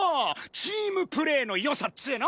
チームプレーの良さっつうの？